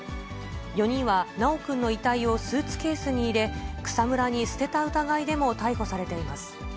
４人は修くんの遺体をスーツケースに入れ、草むらに捨てた疑いでも逮捕されています。